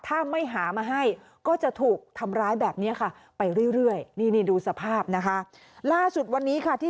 ถ้าไม่หามาให้ก็จะถูกทำร้ายแบบนี้ค่ะไปเรื่อยนี่ดูสภาพนะคะ